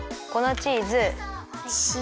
チーズだ。